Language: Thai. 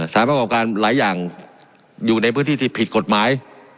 ประกอบการหลายอย่างอยู่ในพื้นที่ที่ผิดกฎหมาย